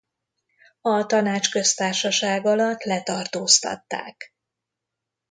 A Tanácsköztársaság alatt letartóztatták.